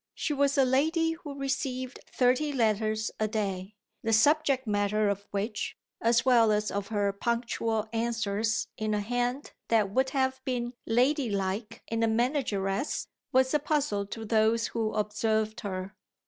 She was a lady who received thirty letters a day, the subject matter of which, as well as of her punctual answers in a hand that would have been "ladylike" in a manageress, was a puzzle to those who observed her.